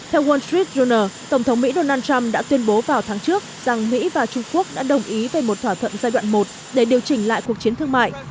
theo wall street journal tổng thống mỹ donald trump đã tuyên bố vào tháng trước rằng mỹ và trung quốc đã đồng ý về một thỏa thuận giai đoạn một để điều chỉnh lại cuộc chiến thương mại